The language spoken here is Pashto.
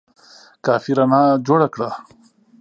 کافي رڼا جوړه کړه !